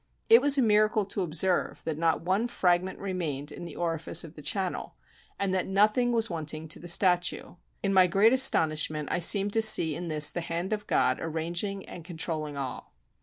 It was a miracle to observe that not one fragment remained in the orifice of the channel, and that nothing was wanting to the statue. In my great astonishment I seemed to see in this the hand of God arranging and controlling all.